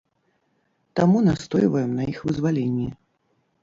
Таму настойваем на іх вызваленні.